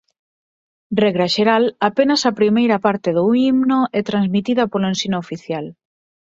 Regra xeral apenas a primeira parte do himno é transmitida polo ensino oficial.